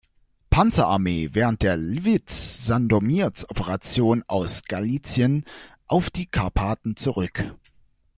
Panzerarmee während der Lwiw-Sandomierz-Operation aus Galizien auf die Karpaten zurück.